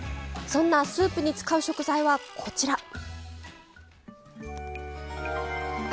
そんなスープに使う食材はこちら！